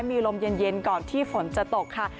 มีลมเย็นก่อนที่ฝนจะตกค่ะ